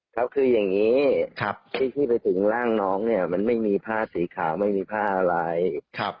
ครับคืออย่างนี้ที่ไปถึงร่างน้องเนี่ยมันไม่มีผ้าสีขาวไม่มีผ้าอะไร